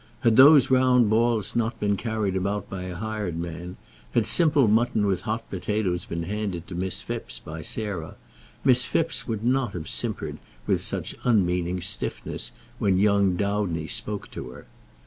Had those round balls not been carried about by a hired man; had simple mutton with hot potatoes been handed to Miss Phipps by Sarah, Miss Phipps would not have simpered with such unmeaning stiffness when young Dowdney spoke to her.